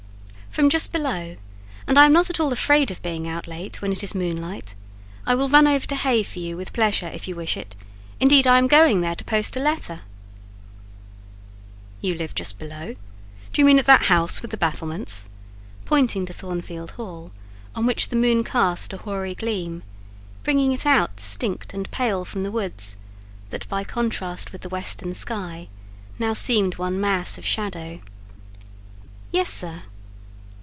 "From just below; and I am not at all afraid of being out late when it is moonlight: I will run over to Hay for you with pleasure, if you wish it: indeed, I am going there to post a letter." "You live just below—do you mean at that house with the battlements?" pointing to Thornfield Hall, on which the moon cast a hoary gleam, bringing it out distinct and pale from the woods that, by contrast with the western sky, now seemed one mass of shadow. "Yes, sir."